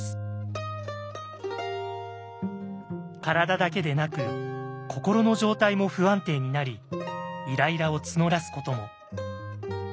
体だけでなく心の状態も不安定になりイライラを募らすことも。